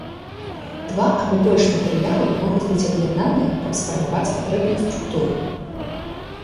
Два або больш матэрыялаў могуць быць аб'яднаныя, каб сфармаваць патрэбную структуру.